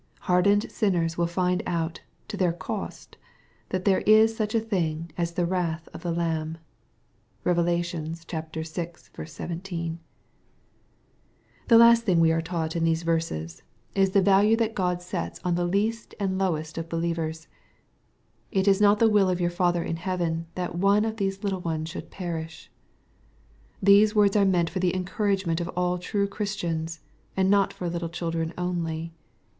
Hardened sinners will find out, to their cost, that there is such a thing as the " wrath of the Lamb." (Rev. vi. 17.) The last thing we are taught in these verses, is tht MATTHEW, CHAP. XVIII. 223 value that God seta on the least and lowest of believers, '* It is not the will of your Father in heaven, that one of these little ones should perish." These words are meant for the encouragement of all true Christians, and not for little children only.